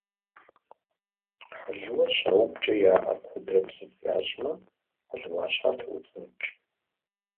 Хьэлыуэр щаубэкӏэ я ӏэр куэдрэ псыф ящӏмэ, хьэлыуащхьэр тоуцӏыныкӏ.